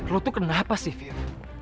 lu tuh kenapa sih fir